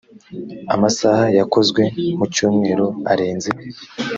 amasaha yakozwe mu cyumweru arenze